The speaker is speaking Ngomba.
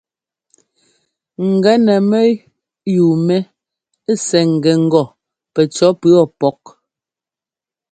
Gɛnɛ mɛyúu mɛ sɛ́ ŋ́gɛ ŋgɔ pɛcɔ̌ pʉɔ pɔ́k.